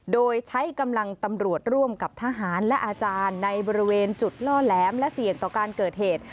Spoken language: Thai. โดยใช้กำลังตำรวจร่วมกับทหารและอาจารย์ในบริเวณจุดล่อแหลมและเสี่ยงต่อการเกิดเหตุ